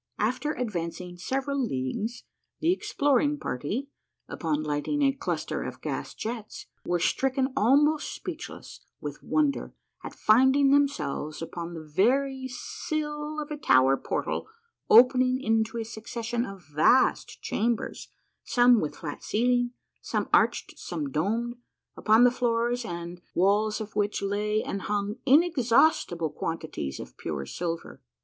" After advancing several leagues the exploring party, upon lighting a cluster of gas jets, were stricken almost speechless Avith Avonder at finding themselves upon the very sill of a toAv ering portal opening into a succession of vast chambers, some Avith flat ceiling, some arched, some domed, upon the floors and Avails of which lay and hung inexhaustible quantities of pure silver.